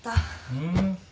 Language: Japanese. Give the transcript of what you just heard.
ふん。